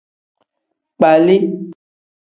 Kpali.